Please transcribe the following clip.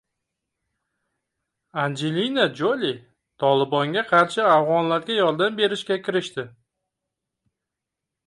Anjelina Joli "Tolibon"ga qarshi afg‘onlarga yordam berishga kirishdi